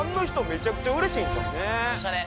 めちゃくちゃうれしいんちゃう？